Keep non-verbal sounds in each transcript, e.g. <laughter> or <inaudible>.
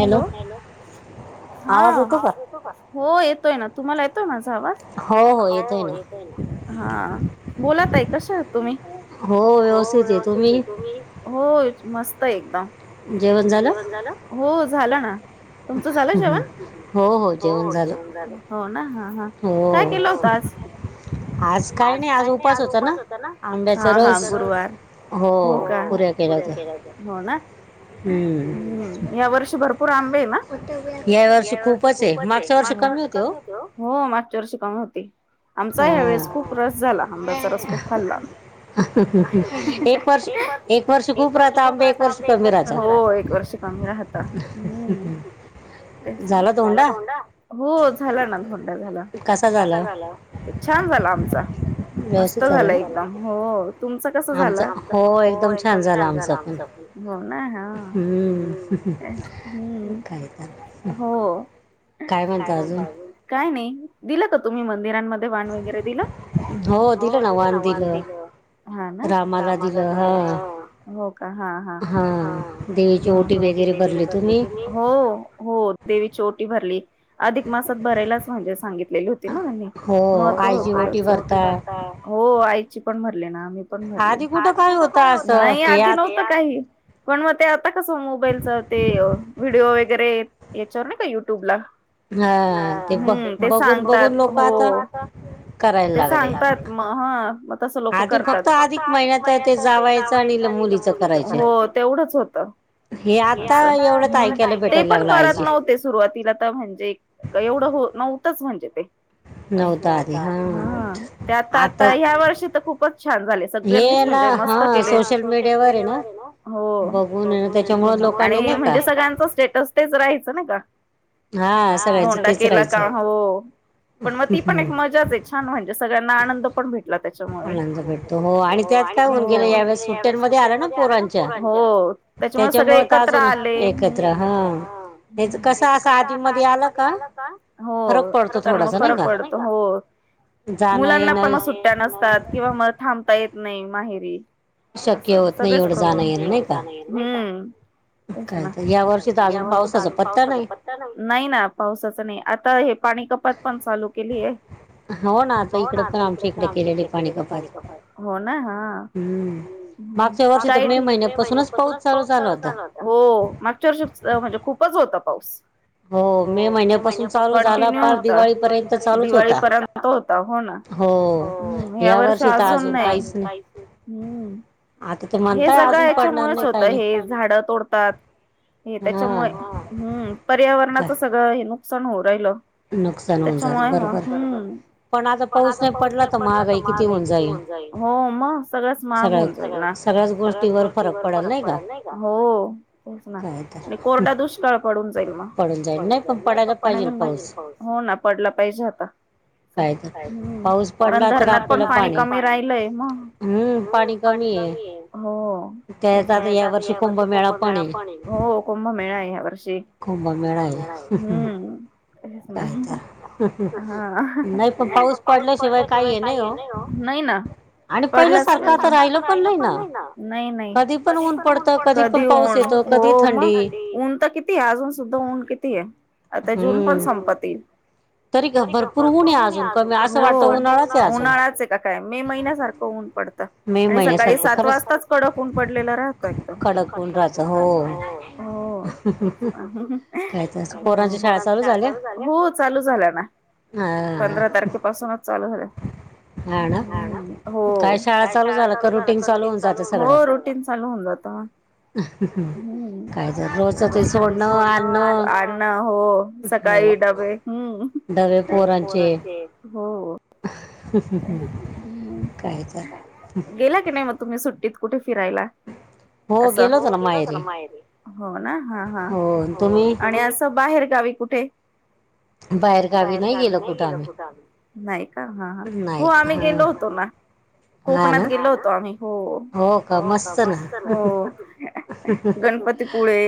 Hello, hello हा आवाज येतो का? हो येतोय ना तुम्हाला येतोय माझा आवाज? हो येतोय ना. हा, बोला ताई कसे आहात तुम्ही? हो व्यवस्थित आहे. तुम्ही? हो मस्त आहे. एकदम. जेवन झा जेवण झालं? हो झालं ना. तुमचं झालं जेवण? हो हो. जेऊन झाल. हो ना, हा है काय केलं होत आ आज काही नाही. मी आज उपास होता ना आंब्याचा रस, हो पुऱ्या केल्या होत्या. हम्म. या वर्षी भरपूर आंबे आहे ना. या वर्षी खूपच आहे मागच्या वर्ष कमी होते हो. हो मागच्या वर्षी कमी होती. आमचा ह्या वेळेस खूप रस झाला आंब्याचा रस खूप खाल्ला. एक वर्ष, एक वर्ष खूप राहत. आंबे एक वर्ष हो एक वर्ष. कमेरा हातां. तेच ना. झाला धोंडा, हो झाला ना, धोंडा झाला. कसा झाला? छान झाला आमचा. मस्त झाला एकदम. हो. तुमच कस झाला? हो, एकदम छान झालं आमच. हो ना. हा हम्म हम्म हो. काय म्हणता अजून, काय नाही. दिलं का तुम्ही? मंदिरांमध्ये वाण वगैरे दिलं. हो. दिलं ना वान दिलं. ह रामाला दिलं हा. हा हा हा देवीची ओटी वगैरे भरले. तुम्ही? हो हो. देवीची ओटी भरली. अधिक मासात भरायलाच म्हणजे सांगितलेली होती ना त्यांनी महत्व होत. हो. आईची पण भरले ना. हा मी पण भरले. आधी कुठ काय होत हे. नाही आधी न काही पण मग ते आता कसं मोबाईलच ते व्हिडिओ वगैरे. याच्यावर नाही का युट्यूबला हम् ते सांगतात हो. ते सांगतात म ह मग तस लोक करतात. फक्त आधिक महिन्यात ते जावायचं आणि मुलं. हो तेवढंच होत. ते आत्ता एवढं एकायला पण करत नव्हते सुरुवातीला तर म्हणजे, ते एवढं नव्हतंच. म्हणजे ते, नवदारी हा हा. ते आता आता ह्या वर्षी तर खूपच छान झाले. सगळ्यांनीच म्हणजे मस्त केले. सोशल मीडियावर आहे ना, हो बघून आणि म्हणजे सगळ्यांच स्टेटस तेच राहायच ना का. हा धोंडा केला का हो पण मग ती पण एक मजाच एक. छान म्हणजे आनंद पण भेटला त्याच्यामुळे, हो आणि त्या वेळेस होटेल मध्ये आला ना पोरांच्या त्याच्यामुळे सगळे एकत्र आले. एकत्र हा. कस अस आधी मधी आलं का. हो. तर मग फरक पडतो हो. मुलांना पण मग सुट्ट्या नसतात किंवा मग थांबता येत नाही माहेरी. असं सगळेच प्रॉब्लेम. जाण येणं हम्म. काय तर या वर्षी तर अजून पावसाचा पत्ता नाही. नाही ना. पावसाच नाही. आता हे पाणी कपात पण चालू केली आहे. हो ना. आता इकड काम इकडे केले ठिकाणी हो ना ह. हम, काहि ठीक मे महिन्यापासूनच पाऊस चालू झाला. हो मागच्या वर्षी म्हणजे खूपच होता पाऊस हो मे महिन्यापासून कंटिन्यू होता दिवाळीपर्यंत पर्यंत होता हो ना ह्या वर्षी अजून नाही हम्म हे सगळं याच्यामुळेच होतं हे झाड तोडतात हे त्याच्यामुळे हम्म पर्यावरणाचं सगळं हे नुकसान होऊ राहिल त्याच्या मुळे म हम्म पण आता पाऊस नाही पडला तर महाग आहे किती होऊन जाईल हो मग सगळंच महाग होऊन जाईल ना सगळ्याच गोष्टीवर फरक पडत नाही का हो तेच ना आणि कोरडा दुष्काळ पडून जाईल म पडून जाईल नाही पडायला पाहिजे पाऊस हो ना पडला पाहिजे आता हम्म कारण धरणात पण पाणी कमी राहिलय मग हम्म पाणी कमी आहे हो काय आता या वर्षी कुंभमेळा पण हो कुंभमेळा या वर्षी कुंभमेळा ह नाही पण पाऊस पडला शिवाय काही आहे नाही हो नाही ना पडला राहिल नई, नई कधी पण ऊन पडतं ऊन तर किती किती अजून सुद्धा ऊन किती आहे आता जून पण संपत येईल तरी भरपूर ऊन आहे अजून‌ उन्हाळाच का काय मे महिन्यासारखं ऊन पडतं मे महिन्या सार सात वाजताच कडक ऊन पडलेल राहत हो हो चालू झाल्या ना हा पासूनच चालू झाल्या हा ना हो हो रोटीन चालू होन जात ह सोडणं आणण हो सकाळी डबे हम्म डबे पोरांचे हो काय झालं गेला की नाही मग तुम्ही सुट्टीत कुठे फिरायला असं हो गेलत ना माहेरी हो ना हा, हा आणि असं बाहेर गावी कुठे बाहेरगावी नाही गेलो कुठं आम्ही नाही का ह हो आम्ही गेलो होतो ना कोकणात गेलो होतो आम्ही हो हो मस्त हो गणपतीपुळे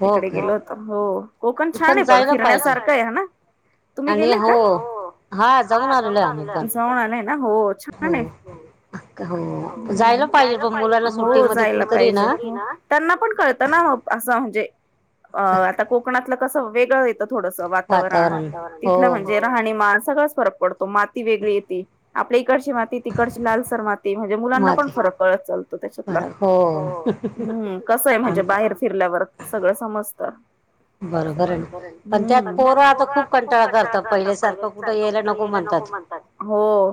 हो का हो कोकण छान आहे पण फिरण्यासारखं आहे हा ना तुम्ही गेले का हो हा जाऊन आलो जाऊन आले ना हो छान आहे जायला पाहिजे हो जायला पाहिजे त ना त्यांना पण कळतं ना असं म्हणजे अ आता कोकणातलं कसं वेगळं थोडसं वातावरण इथल म्हणजे राहणीमान सगळच फरक पडतो मा वेगळी येते आपल्या इकडची मा ती तिकडची लालसर माती म्हणजे मुलांना पण फरक कळत चालतो त्याच्यातला हम्म कसंय म्हणजे बाहेर फिरल्यावर सगळं समजतं. बरोबर त्यात पोर आता खूप कंटाळा करतात पहिल्या सारखं कुठं यायला नको म्हण हो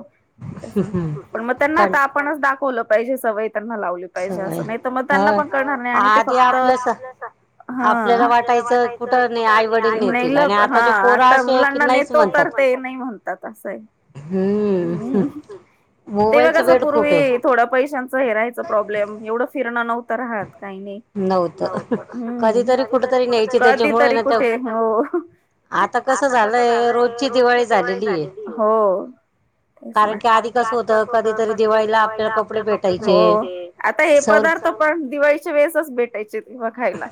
तेच ना पण मग त्यांना आता आपणच दाखवलं पाहिजे सवय त्यांना लावली पाहिजे असं नाही तर मग त्यांना पण कळणार नाही आणि ते फक्त हा आपल्याला वाटायचं कुठ नाही आता <unintelligible> तो तर ते नाही म्हणतात असंय. हम्म मोबाईलचं वेड खूप आहे. थोडा पैशांचं हे रहायचं प्रॉब्लेम एवढं फिरणं नव्हं तं राहात काही नाही नव्हतं कधीतरी कुठंतरी कुठे? हो आता कसं झालंय रोजची दिवाळी झालेली आहे. हो तेच ना कारण की आधी कसं होत कधीतरी दिवाळीला, आपल्याला कपडे भेटायचे आता हे पदार्थ पण दिवाळीच्या वेळेसच भेटायचेत. तेवा खायला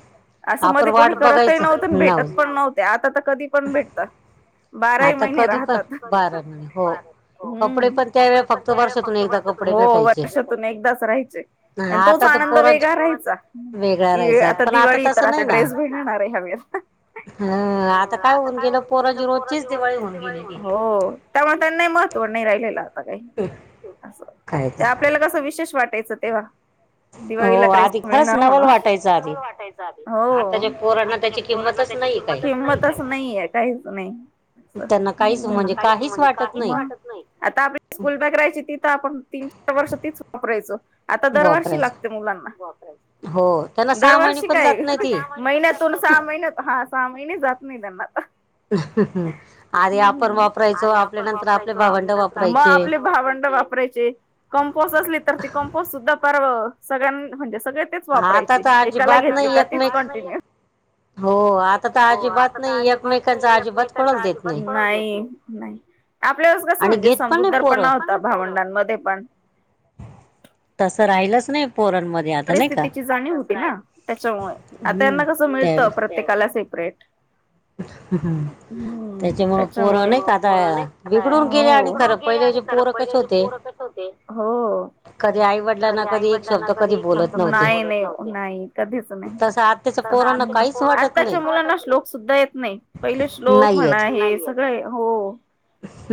असं मध्ये कोणी करतही नव्हतं भेटत पण नव्ह ते आता तर कधी पण भेटतं बाराही महिने राहतात बारा कपडे पण त्यावेळेला व फक्त वर्षातून वर्षातून एकदाच राहायचे आणि तोच आनंद वेगळा राहायचा की आता दिवाळी तर आता ड्रेस भे घेणार आहे ह्यावेळेला ह आता काय होऊन गेलं पोरांची रोज रोजचीच दिवाळी होणार हो तवा त्यांनाही महत्व नाही राहिलेल आता काही. <inaudible> अस ते आपल्याला कसं विशेष वाटायचं तेव्हा. दिवाळीला ड्रेस मिळणार म्हणून हो आता च्या पोरांना त्याची किंमतच नाहीये. काहीच नाही त्यांना काहीच म्हणजे काहीच आता आपली स्कूल बॅग राहायची. ती तर आपण तीन चार वर्ष तीच वापरायचो. आता दरवर्षी लागते मुलांना वापराया दरवर्षी काय? महिन्यातून सहा महिन्यात हा सहा महिने जात नाही त्यांना आधी आपण वापराय आधी आपण वापरायचो. आपल्या नंतर म आपले भावंड वापरायचे. कंपोस असली तर ती कंपोस सुद्धा पर सगळ्यां म्हणजे सगळे तेच वापरायची एकाला घेतली का तीच कन्टीन्यू. हो आता तर अजिबात नई. एकमेकांच अजिबात कोणाला देत नाही. नाही नाही आपल्यावेळेस कसं म्हणजे समजूतदार पणा होता भावंडांमध्ये पण तस राहीलच नाही पोरांमध्ये परिस्थितीची जाणीव होती ना त्याच्यामुळे आता त्यांना कसं मिळत प्रत्ये काला सेपरेट ह्म्म ह्म्म त्याच्यामुळे हो हो कधी आई वडलांना कधी एकटं नाही नाही नाही कधीच नाही आताच्या मु लाना श्लोक सुद्धा येत नाही पहिले श्लोक म्हणा हे सगळे हो. <inaudible>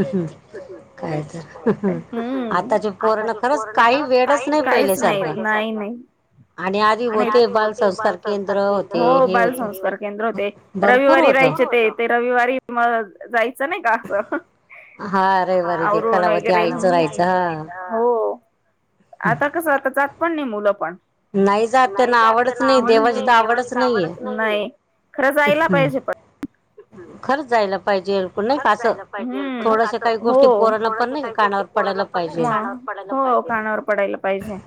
काय तर आताचे पोरांना खरंच काही वेडच नाही. पहिलेसारखं. ह <inaudible> आणि आधी होते बाल संस्कार केंद्र. हो बाल संस्कार केंद्र होते रविवारी फिरायचे ते.. ते रविवारी म जायचं नाही का असं? आवरून वैगेरे ह्म्म.. हो.. आता कस आता जात पण नाही मुलं पण. नाही जात त्यांना आवडच नाही, देवांची आवडच नाही. खरं जायला पाहिजे पण? खरच जायला पाहिजे? खरंच जायला पाहिजे. हो.. थोड काही गोष्टी पोराणला पण नाही का? पडायला पाहिजे, हो कानावर पडायला पाहिजे.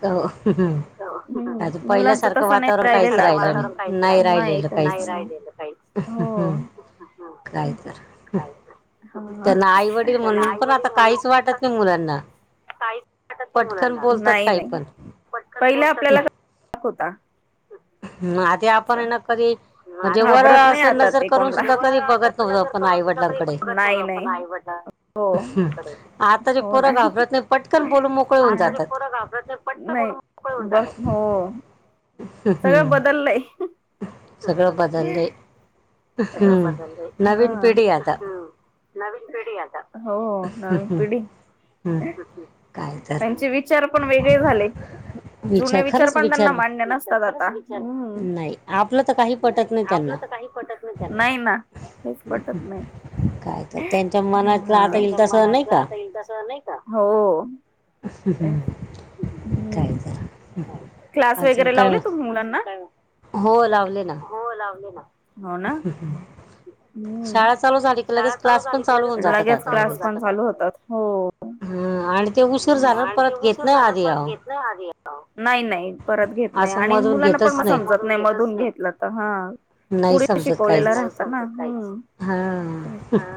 का आता पहिल्यासारखं वातावरण काहीच राहिल नाही. नाही राहिल काहीच? <unintelligible> <unintelligible> काय तर? त्यांना आई -वडील म्हणून पण आता काहीच वाटत नाही मुलांना? पटकन बोलतात काई <unintelligible> की आपण यांना कधी घाबरत नाही आता ते कोणला? <unintelligible> हो.. होना आताची पोर घाबरत पटकन बोलून मोकळे होतात. नाही, हो, सगळं बदललंय? सगळं बदललंय? सगळं बदललं आहे. हा नवीन पिढी आता, हो नवीन पिढी त्यांचे विचार पण वेगळे झाले. जुने विचार पण त्यांना मान्य नसतात आता. ह आपलं तर काही पटत नाही त्यांना. नाही ना, काहीच पटत नाही. त्यांच्या मनात आता येईल तसा नाही का हो <unintelligible> ह हम <unintelligible> काय तर, अजून काय वा, हो लावल ना. हो लावल ना. होना. <inaudible> शाळा चालू झाली की, लगेच क्लास पण चालू होऊन जातात आता लगेच. हम्, आ ह आणि ते उशीर झालं परत घेत नाही आधी नाही नाही परत घेत नाही आणि मुलांना पण मग समजत नाही मधून घेतलं तर हा. नाही शिकवलेला राहात ना. हा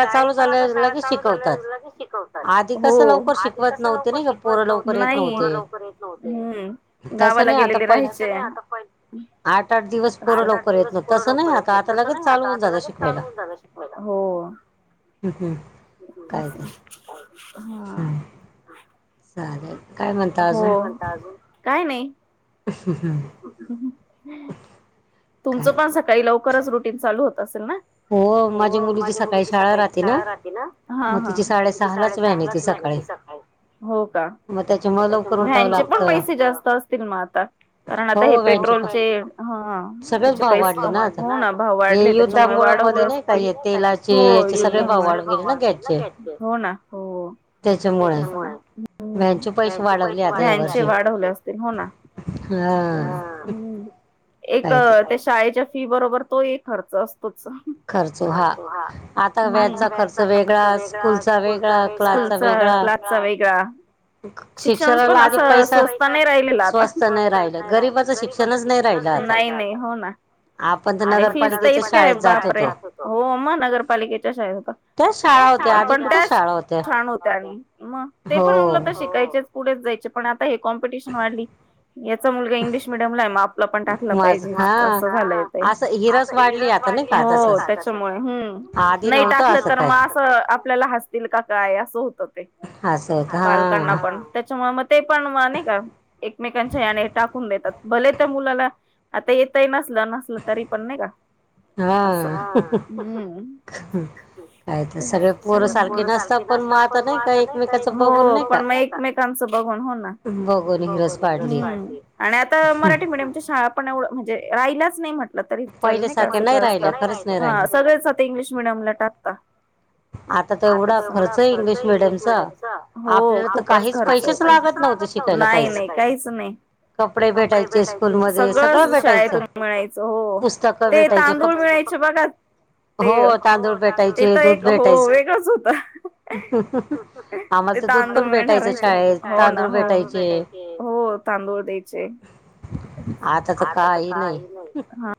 शाळेत पण आता शाळा चालू झाल्या लगेच शिकवत हो, आधी कस लवकर शिकवत नव्हते पोर लवकर येत नव्हते. गावाला गेलेले राहायचे. आठ आठ दिवस पोर लवकर येत नाही, तसं नाही आता आता लगेच चालु हुन जात शिकवायला. हूं हूं काय तर. <inaudible> हूं! चालेल. हो काय नाही. <inaudible> तुमचं पण सकाळी लवकरच रुटीन चालू होत असेल ना? हो माझ्या मुलीची सकाळी शाळा राहते ना मग तिची साडे सहा लाच व्यान येती. हो कां ह्यांचे पण पैसे जास्त असतील म आता. कारण आता हे पेट्रोलचे ह याचे पैसे हो ना भाव वाढले त्याच्यामुळे वाढ <unintelligible> व्हॅन चे वाढवले असतील हो ना. <inaudible> एक त्या शाळेच्या फी बरोबर तो एक खर्च असतोच. खर्चो हा. आता व्यान चा खर्च वेगळा, स्कूलचा वेगळा, क्लासचा वेगळा. चा वेगळा शिक्षण पण असं स्वस्त नाही राहिलेलं आता. नाही राहील गरीबाच शिक्षणच, नाही नाही हो ना. आणि फीज तर इतक्या आहे बापरे, हो मग नगरपालिकेच्या शाळेत होता. पण त्या छान होत्या आणि म ते पण उल ट शिकायचे पुढच जायचे पण आता हे कॉम्पिटिशन वाढली. तिचा मुलगा इंग्लिश मिडियमला हे म आपला पण टाकला पाहिजे, असं झालंय ते. हो त्याच्यामुळ हूं नाही टाकलं तर म अस आप आपल्याला हसतील का काय, असं होतं ते पालकांना पण. त्याच्यामुळ म ते पण वा नाही का एकमेकांच्या याने. टाकून देतात भले त्या मुलाला आता येतही नसलं, नसलं तरी पण नही का. अस हूं! हू! सगळे पोरं सारखे नसता पण म आता <unintelligible> त्यांचं बघण हो ना. आणि आता मराठी मिडियमच्या शाळा पण एवढं म्हणजे राहिल्याच नाही म्हट ल तरी चालेल नही कां असं सगळेचं आता इंग्लिश मिडियमला टाकता. आता त एवढा खर्च हे इंग्लिश मिडियमचा <unintelligible> नाही, नाही काहीच नाही, सगळं शाळेतुन. मिळायचं हो ते तांदूळ मिळायचे बघा. ते ते त एक हो वेगळंच होत. ते तांदूळ मिळनार राहचे हो ना हो हो तांदूळ. द्यायचे हा.